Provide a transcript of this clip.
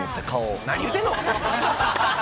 何言うてんの？